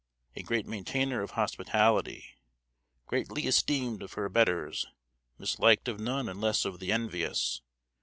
A great maintayner of hospitality. Greatly esteemed of her betters; misliked of none unless of the envyous.